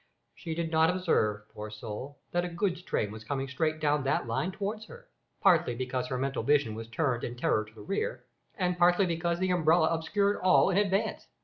She did not observe, poor soul, that a goods train was coming straight down that line towards her, partly because her mental vision was turned in terror to the rear, and partly because the umbrella obscured all in advance.